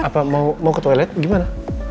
apa mau ke toilet gimana